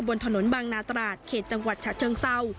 บนถนนบางนาตราดเขตจังหวัดฉะเชิงเศร้า